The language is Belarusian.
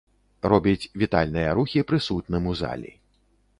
Робіць вітальныя рухі прысутным у залі.